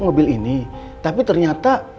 mobil ini tapi ternyata